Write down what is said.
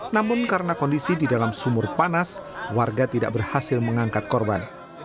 namun karena kondisi di dalam sumur panas warga tidak berhasil mengangkat korban